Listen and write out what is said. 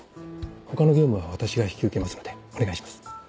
他の業務は私が引き受けますのでお願いします。